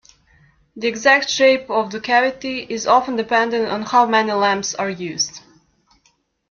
The exact shape of the cavity is often dependent on how many lamps are used.